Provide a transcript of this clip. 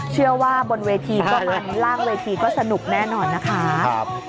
บนเวทีก็มันล่างเวทีก็สนุกแน่นอนนะคะ